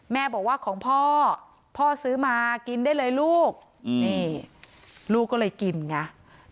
แม่บอกว่าของพ่อพ่อซื้อมากินได้เลยลูกนี่ลูกก็เลยกินไง